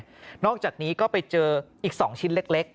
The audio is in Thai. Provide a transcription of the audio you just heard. บูชาด้วยไงนอกจากนี้ก็ไปเจออีก๒ชิ้นเล็ก